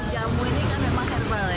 jambu ini kan memang herbal ya